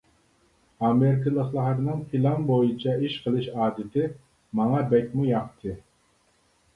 ئامېرىكىلىقلارنىڭ پىلان بويىچە ئىش قىلىش ئادىتى ماڭا بەكمۇ ياقتى.